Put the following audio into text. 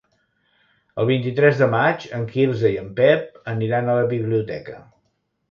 El vint-i-tres de maig en Quirze i en Pep aniran a la biblioteca.